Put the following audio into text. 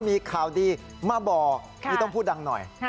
มีข่าวดีมาบอกนี่ต้องพูดดังหน่อย